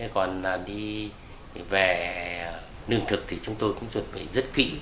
còn đi về nương thực thì chúng tôi cũng chuẩn bị rất kỹ